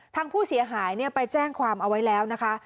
ทางผู้เสียหายไปแจ้งความเอาไว้แล้วนะคะ